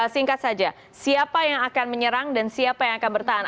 singkat saja siapa yang akan menyerang dan siapa yang akan bertahan